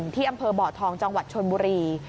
ที่อำเภอบ่อทองจังหวัดชนบุรี